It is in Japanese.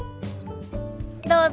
どうぞ。